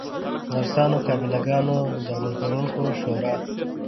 نرسانو، قابله ګانو، درمل پلورونکو شورا